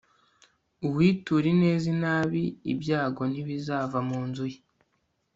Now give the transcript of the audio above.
uwitura ineza inabi ibyago ntibizava mu nzu ye